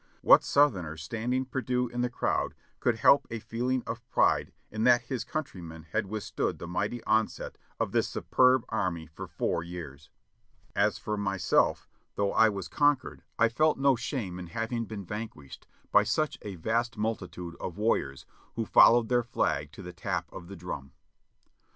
What Southerner standing perdu in the crowd could help a feeling of pride in that his countrymen had withstood the mighty onset of this superb army for four years? As for myself, though I was conquered, I felt no shame in having been vanquished by such a vast multitude of warriors who "Followed their flag To the tap of the drum."